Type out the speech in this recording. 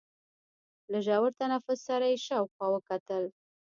له ژور تنفس سره يې شاوخوا وکتل.